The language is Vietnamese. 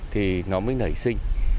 thì nó mới nảy sinh